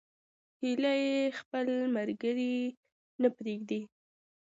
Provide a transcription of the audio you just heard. هیلۍ خپل ملګري نه پرېږدي